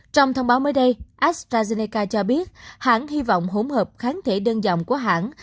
trong thông báo mới đây astrazeneca cho biết hãng hy vọng hỗn hợp kháng thể đơn dòng của hãng